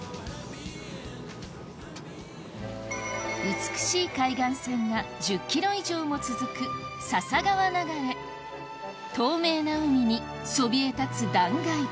美しい海岸線が１０ｋｍ以上も続く透明な海にそびえ立つ断崖